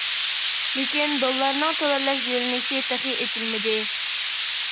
لېكىن دوللارنىڭ تۆۋەنلەش يۆنىلىشى تېخى ئېچىلمىدى.